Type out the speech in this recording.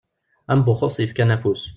Am Buxus yefkan afus.